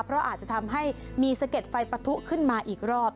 เพราะอาจจะทำให้มีสะเด็ดไฟปะทุขึ้นมาอีกรอบ